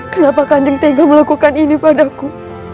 kenapa kan jeng tega melakukan ini padaku